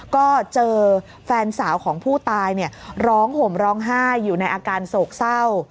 ก็เจอแฟนสาวของผู้ตายร้องห่มร้องไห้อยู่ในอาการโศกเศร้า